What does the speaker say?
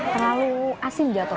terlalu asin jatuh